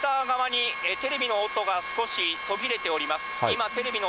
今、テレビの音が少し途切れております。